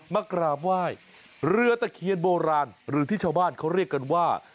มากราบไหว้เรือตะเคียนโบราณหรือที่ชาวบ้านเขาเรียกกันว่า